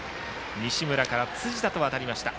西村から辻田とわたりました。